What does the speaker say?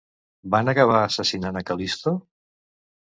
Van acabar assassinant a Cal·listo?